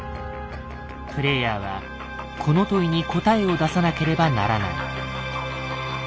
プレイヤーはこの「問い」に答えを出さなければならない。